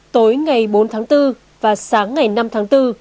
tối ngày bốn tháng bốn và sáng ngày năm tháng bốn